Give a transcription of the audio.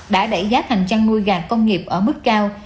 đã đẩy giá thành chăn nuôi gà công nghiệp ở mức cao